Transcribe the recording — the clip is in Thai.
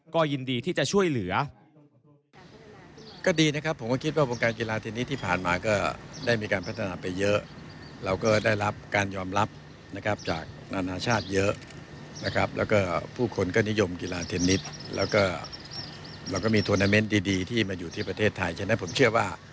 ก็ยินดีที่จะช่วยเหลือ